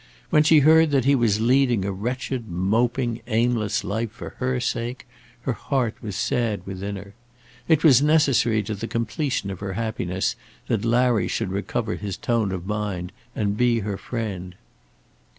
When she heard that he was leading a wretched, moping, aimless life for her sake, her heart was sad within her. It was necessary to the completion of her happiness that Larry should recover his tone of mind and be her friend.